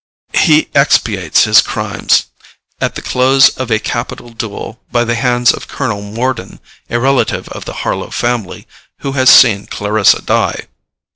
He expiates his crimes, at the close of a capital duel, by the hands of Colonel Morden, a relative of the Harlowe family, who has seen Clarissa die.